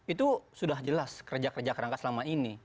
itu sudah jelas kerja kerja kerangka selama ini